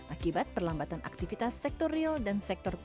akibat perlambatan aktivitas sektor rilis sektor perbankan dan sektor perbankan